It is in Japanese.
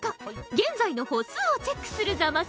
現在の歩数をチェックするザマス。